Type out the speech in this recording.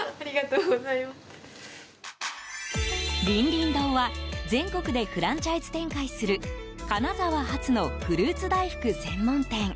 凛々堂は全国でフランチャイズ展開する金沢発のフルーツ大福専門店。